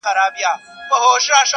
پر سجدوی وي زیارتو کي د پیرانو!!